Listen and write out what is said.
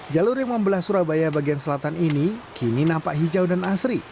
jalur yang membelah surabaya bagian selatan ini kini nampak hijau dan asri